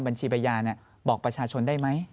บัญชีประยาบอกประชาชนได้ไหม